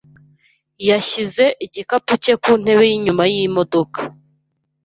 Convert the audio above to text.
yashyize igikapu cye ku ntebe yinyuma yimodoka.